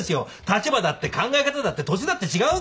立場だって考え方だって年だって違うんですから。